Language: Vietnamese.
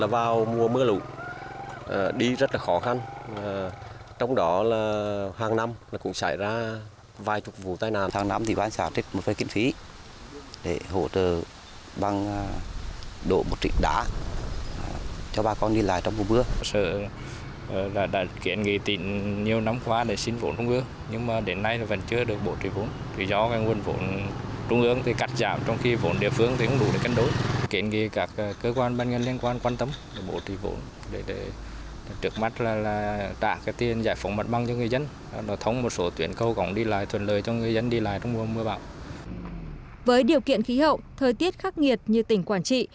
với điều kiện khí hậu thời tiết khắc nghiệt như tỉnh quảng trị